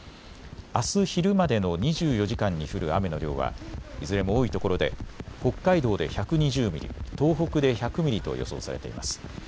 あす昼までの２４時間に降る雨の量はいずれも多いところで北海道で１２０ミリ、東北で１００ミリと予想されています。